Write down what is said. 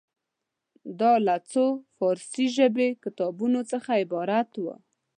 دا له څو فارسي ژبې کتابونو څخه عبارت وه.